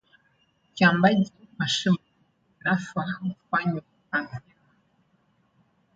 Uchimbaji mashimo inafaa ufanywe mapema